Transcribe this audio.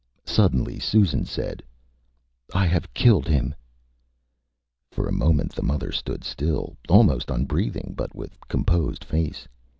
Suddenly, Susan said ÂI have killed him.Â For a moment the mother stood still, almost unbreathing, but with composed face.